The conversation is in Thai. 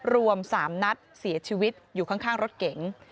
รวม๓นัดเสียชีวิตอยู่ข้างรถเก๋ง